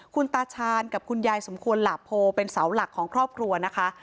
คุณตาชาญกับคุณยายสมควรหลาโพเป็นเสาหลักของครอบครัวนะคะ